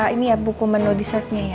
ini ya buku menu dessertnya ya